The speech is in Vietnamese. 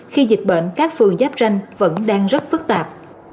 khi dịch bệnh các phường giáp ranh vẫn đang rất phức tạp